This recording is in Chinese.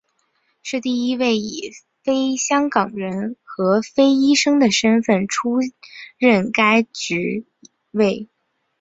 是第一位以非香港人和非医生的身份出任该职位。